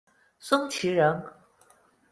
孙奇人。